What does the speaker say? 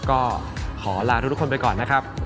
ก็ขอลาทุกคนไปก่อนนะครับ